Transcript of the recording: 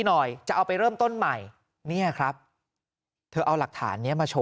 หน่อยจะเอาไปเริ่มต้นใหม่เนี่ยครับเธอเอาหลักฐานเนี้ยมาโว